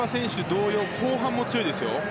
同様後半も強いですよ。